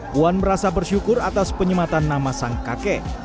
puan merasa bersyukur atas penyematan nama sang kakek